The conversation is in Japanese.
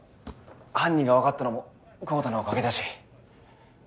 犯人がわかったのも昊汰のおかげだし。